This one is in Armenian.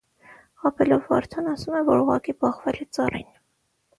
Խաբելով որդուն՝ ասում է, որ ուղղակի բախվել է ծառին։